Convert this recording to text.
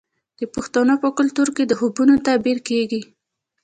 د پښتنو په کلتور کې د خوبونو تعبیر کیږي.